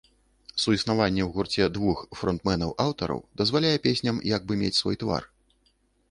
Суіснаванне ў гурце двух фронтмэнаў-аўтараў дазваляе песням як бы мець свой твар.